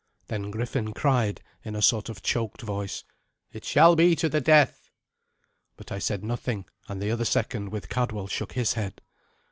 Then Griffin cried in a sort of choked voice, "It shall be to the death." But I said nothing, and the other second, with Cadwal, shook his head.